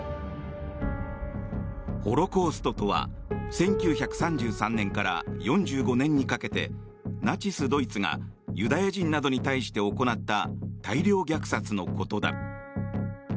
ホロコーストとは１９３３年から４５年にかけてナチス・ドイツがユダヤ人などに対して行った大量虐殺のことだ。